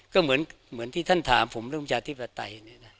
ก็เหมือนที่ท่านถามผมเรื่องประชาธิปไตย